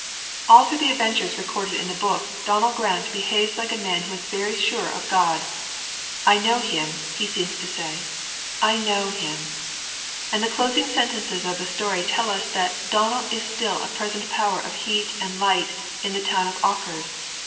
All through the adventures recorded in the book, Donal Grant behaves like a man who is very sure of God. 'I know Him,' he seems to say. 'I know Him.' And the closing sentences of the story tell us that 'Donal is still a present power of heat and light in the town of Auchars.